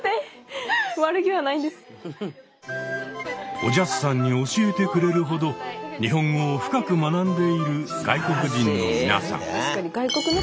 おじゃすさんに教えてくれるほど日本語を深く学んでいる外国人の皆さん。